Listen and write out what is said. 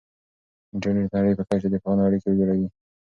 انټرنیټ د نړۍ په کچه د پوهانو اړیکې جوړوي.